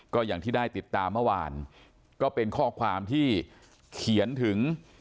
ก็อย่างที่ได้ติดตามเมื่อวานก็เป็นข้อความที่เขียนถึง